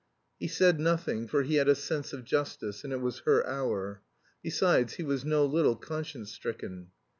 He said nothing, for he had a sense of justice, and it was her hour. Besides, he was no little conscience stricken.